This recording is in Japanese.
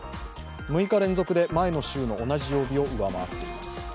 ６日連続で前の週の同じ曜日を上回っています。